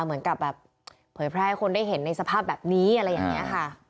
เหมือนกับแบบเผยแพร่ให้คนได้เห็นในสภาพแบบนี้อะไรอย่างนี้ค่ะ